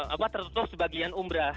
apa tertutup sebagian umbra